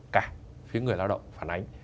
cả phía người lao động phản ánh